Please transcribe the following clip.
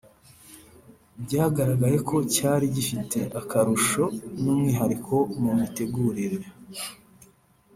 byagaragaye ko cyari gifite akarusho n’umwihariko mu mitegurire